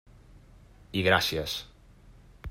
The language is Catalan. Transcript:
I gràcies.